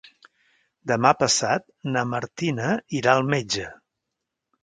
Demà passat na Martina irà al metge.